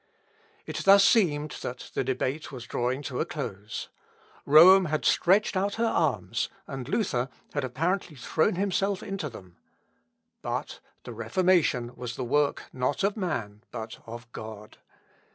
It thus seemed that the debate was drawing to a close: Rome had stretched out her arms and Luther had apparently thrown himself into them; but the Reformation was the work not of man but of God.